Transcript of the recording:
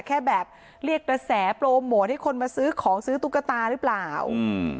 แค่แบบเรียกกระแสโปรโมทให้คนมาซื้อของซื้อตุ๊กตาหรือเปล่าอืม